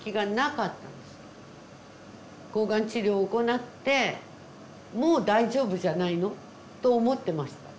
抗がん治療行って「もう大丈夫じゃないの？」と思ってました。